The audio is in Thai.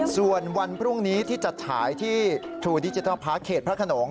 ส่วนวันพรุ่งนี้ที่จะฉายที่ทรูดิจิทัลพาร์คเขตพระขนง